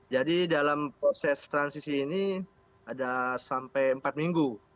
jadi dalam proses transisi ini ada sampai empat minggu